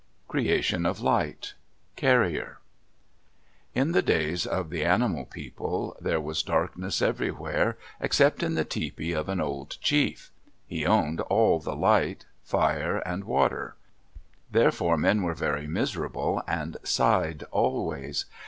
CREATION OF LIGHT Carrier In the days of the animal people, there was darkness everywhere except in the tepee of an old chief. He owned all the light, fire, and water; therefore men were very miserable and sighed always.